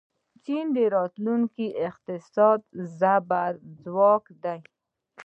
چین د راتلونکي اقتصادي زبرځواک دی.